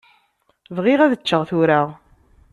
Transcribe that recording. Bɣiɣ ad ččeɣ tura.